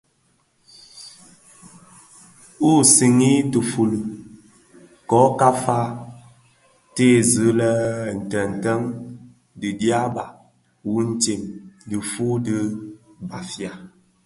I ti siňii tifufuli, kō ka falèn lè tè tèèzi lè tèntèň dhi ndieba utsem dhifuu di Bafia.